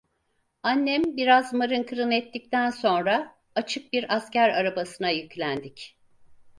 Annem biraz mırın kırın ettikten sonra, açık bir asker arabasına yüklendik.